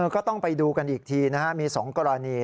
ก็ต้องไปดูกันอีกทีมี๒กรณี